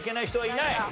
いない！